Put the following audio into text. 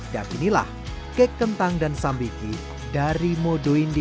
dan inilah kek kentang dan sambiki dari modo indi